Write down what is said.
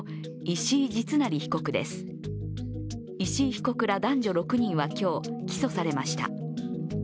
石井被告ら男女６人は今日起訴されました。